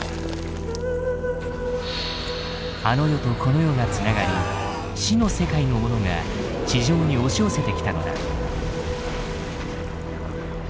あの世とこの世が繋がり死の世界のものが地上に押し寄せてきたのだ。